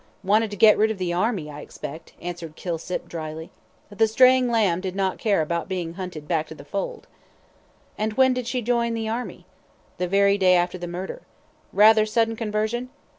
"Wanted to get rid of the Army, I expect," answered Kilsip, drily. "The straying lamb did not care about being hunted back to the fold." "And when did she join the Army?" "The very day after the murder." "Rather sudden conversion?"